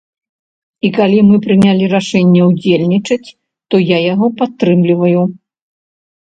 І калі мы прынялі рашэнне ўдзельнічаць, то я яго падтрымліваю.